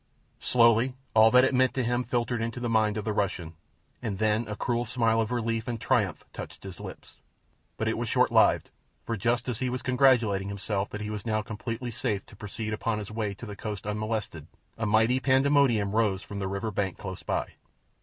Slowly all that it meant to him filtered into the mind of the Russian, and then a cruel smile of relief and triumph touched his lips; but it was short lived, for just as he was congratulating himself that he was now comparatively safe to proceed upon his way to the coast unmolested, a mighty pandemonium rose from the river bank close by.